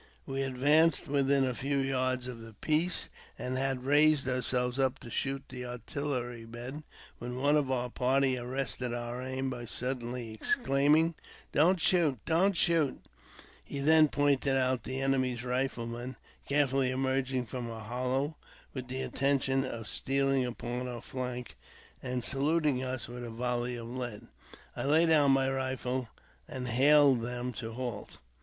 We advanced within a few yards of the piece, and had raised ourselves up to shoot the artillerymen, when one of our party arrested our aim by suddenly exclaiming, " Don't shoot I don't shoot !" He then pointed out the enemy's riflemen carefully emerging from a hollow, with the intention of stealing on our flank and saluting us with a volley of lead. I laid down my rifle, and hailed them to halt.